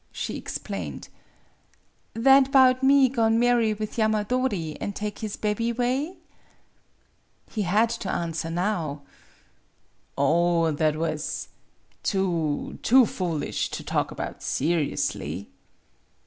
She explained: " That 'bout me go'n' marry with Yama dori, an' take his bebby 'way ?" He had to answer now: " Oh, that was too too foolish to talk about seriously."